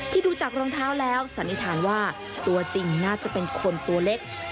ดูจากรองเท้าแล้วสันนิษฐานว่าตัวจริงน่าจะเป็นคนตัวเล็ก